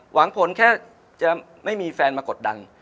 หวังผลแค่จะไม่มีแฟนมากดดัน